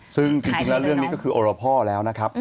ซึ่งจริงแล้วเรื่องนี้ก็คือโอรพ่อแล้วนะครับ